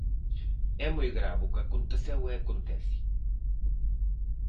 É moi grave o que aconteceu e acontece.